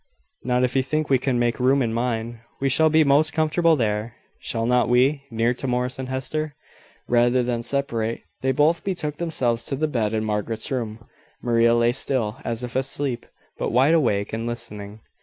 "Not if you think we can make room in mine. We shall be most comfortable there, shall not we near to Morris and Hester?" Rather than separate, they both betook themselves to the bed in Margaret's room. Maria lay still, as if asleep, but wide awake and listening.